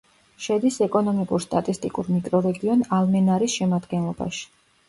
შედის ეკონომიკურ-სტატისტიკურ მიკრორეგიონ ალმენარის შემადგენლობაში.